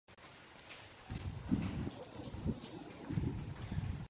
It is these techniques which forensic scientists use for comparison, identification, and analysis.